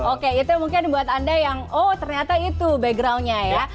oke itu mungkin buat anda yang oh ternyata itu backgroundnya ya